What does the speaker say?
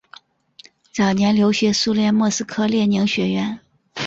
早年留学苏联莫斯科列宁学院。